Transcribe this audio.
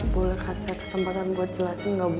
boleh kasih kesempatan gue jelasin gak ibu